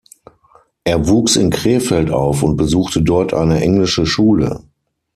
Er wuchs in Krefeld auf und besuchte dort eine englische Schule.